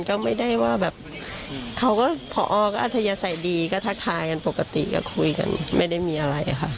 ก็ไม่ได้ว่าแบบเขาก็พอก็อัธยาศัยดีก็ทักทายกันปกติก็คุยกันไม่ได้มีอะไรค่ะ